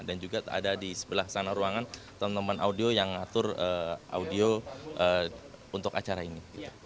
dan juga ada di sebelah sana ruangan teman teman audio yang ngatur audio untuk acara ini